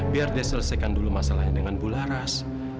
biar dia selesaikan dulu masalahnya dengan ibu laras